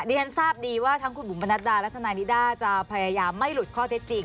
ฉันทราบดีว่าทั้งคุณบุ๋มพนัดดาและทนายนิด้าจะพยายามไม่หลุดข้อเท็จจริง